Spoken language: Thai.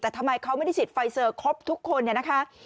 แต่ทำไมเขาไม่ได้ฉีดไฟเซอร์ครบทุกคน